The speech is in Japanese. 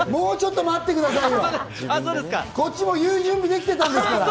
もうちょっと待ってくださいよ！